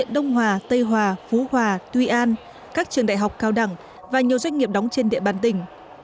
đông hòa tây hòa phú hòa tuy an các trường đại học cao đẳng và nhiều doanh nghiệp đóng trên địa bàn tỉnh